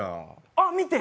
あっ、見て！